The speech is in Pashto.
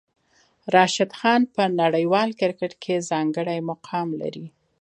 راشد خان په نړیوال کرکټ کې ځانګړی مقام لري.